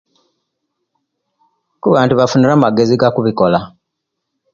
Kuba nti basunire amagezi gakubikola